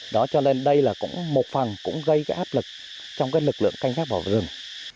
đó cho nên đây là cũng một phần cũng gây cái áp lực trong các lực lượng canh gác vào rừng